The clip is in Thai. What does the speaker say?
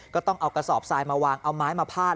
ก็ต้องเอากระสอบทรายมาวางเอาไม้มาพาด